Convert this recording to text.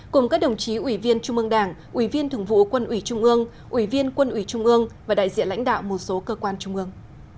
cùng các đồng chí ủy viên trung ương đảng ủy viên thường vụ quân ủy trung ương ủy viên quân ủy trung ương và đại diện lãnh đạo một số cơ quan trung ương